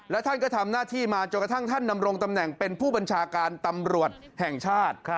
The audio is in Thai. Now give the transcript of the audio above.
และท่านก็ทำหน้าที่มาจนกระทั่งท่านดำรงตำแหน่งเป็นผู้บัญชาการตำรวจแห่งชาติ